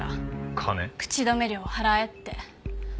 口止め料を払えって。